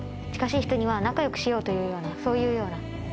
近しい人には仲良くしようというようなそういうような。